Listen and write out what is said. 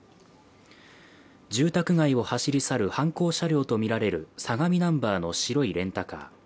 住宅街を走り去る犯行車両とみられる相模ナンバーの白いレンタカー。